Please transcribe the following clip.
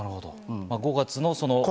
５月の？